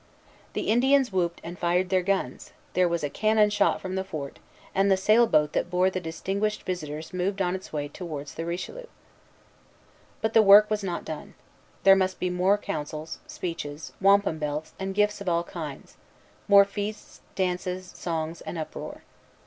The Indians whooped and fired their guns; there was a cannon shot from the fort; and the sail boat that bore the distinguished visitors moved on its way towards the Richelieu. But the work was not done. There must be more councils, speeches, wampum belts, and gifts of all kinds, more feasts, dances, songs, and uproar.